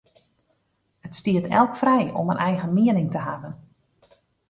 It stiet elk frij om in eigen miening te hawwen.